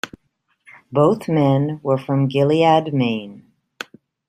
Both men were from Gilead, Maine.